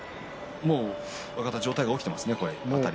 もう上体が起きてますね。